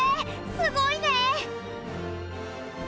すごいね！